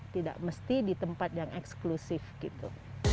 tidak mesti ditempat yang eksklusif gitu